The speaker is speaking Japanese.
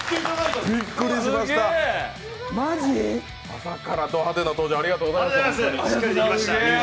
朝からド派手な登場、ありがとうございました。